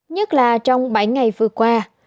nhất là trong bảy ngày vừa qua